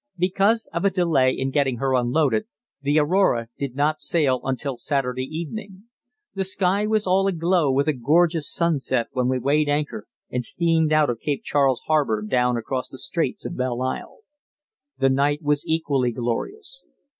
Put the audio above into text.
Because of a delay in getting her unloaded, the Aurora did not sail until Saturday evening. The sky was all aglow with a gorgeous sunset when we weighed anchor and steamed out of Cape Charles Harbour down across the straits of Belle Isle. The night was equally glorious.